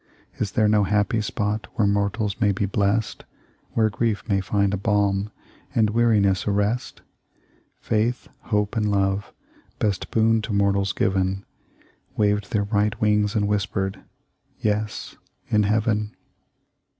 Is there no happy spot Where mortals may be blessed, Where grief may find a balm And weariness a rest? Faith, Hope, and Love, best boon to mortals given, Waved their bright wings and whispered, Yes, in Heaven."